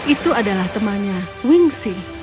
itu adalah temannya wingsy